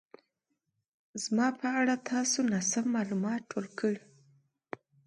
زما په اړه تاسو ناسم مالومات ټول کړي